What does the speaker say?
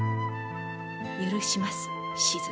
許します静。